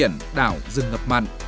bên biển đảo rừng ngập mặn